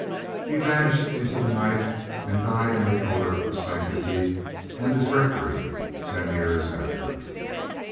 He vanished into the night and died in the odor of sanctity and his rectory ten years after.